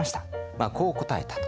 まあこう答えたと。